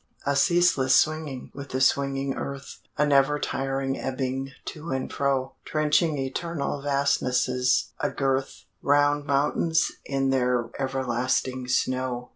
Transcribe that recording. A ceaseless swinging with the swinging earth, A never tiring ebbing to and fro, Trenching eternal fastnesses; a girth Round mountains in their everlasting snow.